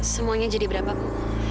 semuanya jadi berapa bu